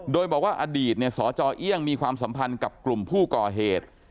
โดยบอกว่าอดีตสจเอี่ยงมีความสัมพันธ์กับกลุ่มผู้ก่อเหตุ